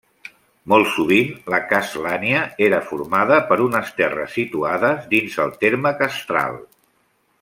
Molt sovint la castlania era formada per unes terres situades dins el terme castral.